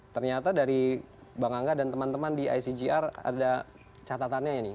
ternyata dari bang angga dan teman teman di icgr ada catatannya ini